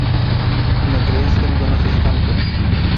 no creas que me conoces tanto.